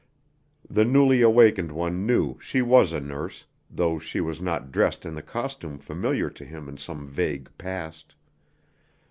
The newly awakened one knew she was a nurse, though she was not dressed in the costume familiar to him in some vague past.